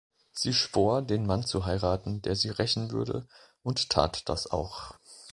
Sie schwor den Mann zu heiraten, der sie rächen würde, und tat das auch.